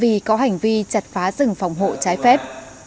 vì có hành vi chặt phá rừng phòng hộ trái phép